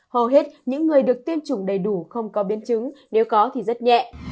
hầu hết những người được tiêm chủng đầy đủ không có biến chứng nếu có thì rất nhẹ